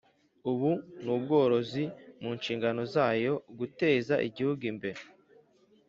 Ubu n ubworozi mu nshingano zayo guteza igihugu imbere